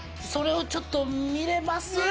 それをちょっと見れます？